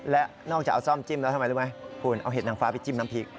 และนอกจากเอาซ่อมจิ้มแล้วทำไมรู้ไหมคุณเอาเห็ดนางฟ้าไปจิ้มน้ำพริก